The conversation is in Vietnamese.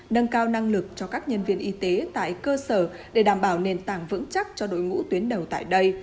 nâng cao năng lực cho các nhân viên y tế tại cơ sở để đảm bảo nền tảng vững chắc cho đội ngũ tuyến đầu tại đây